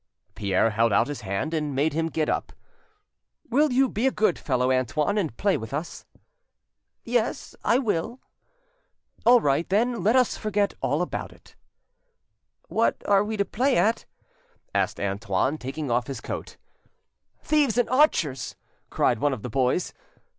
Pierre held out his hand and made him get up. "Will you be a good fellow, Antoine, and play with us?" "Yes, I will." "All right, then; let us forget all about it." "What are we to play at?" asked Antoine, taking off his coat. "Thieves and archers," cried one of the boys....